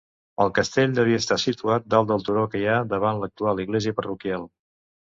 El castell devia estar situat dalt del turó que hi ha davant l'actual església parroquial.